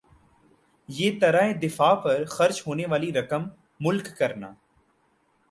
یِہ طرح دفاع پر خرچ ہونا والی رقم ملک کرنا